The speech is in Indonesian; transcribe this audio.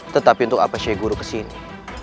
tetapi untuk apa syekh guru ke sini